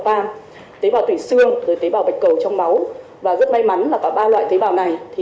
van tế bào tuổi xương rồi tế bào bạch cầu trong máu và rất may mắn là cả ba loại tế bào này thì